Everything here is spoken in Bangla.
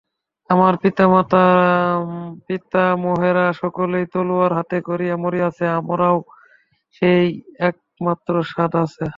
আমার পিতা-পিতামহেরা সকলেই তলোয়ার হাতে করিয়া মরিয়াছেন, আমারও সেই একমাত্র সাধ আছে।